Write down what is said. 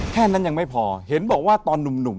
แค่นั้นยังไม่พอเห็นบอกว่าตอนหนุ่ม